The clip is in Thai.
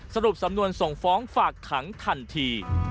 สรุปสำนวนส่งฟ้องฝากขังทันที